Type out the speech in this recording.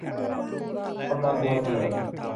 กำลังวัวเถลิง